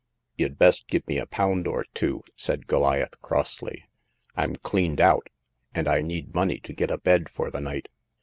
'*" You'd best give me a pound or two," said Goliath, crossly. I'm cleaned out, and I need money to get a bed for the night.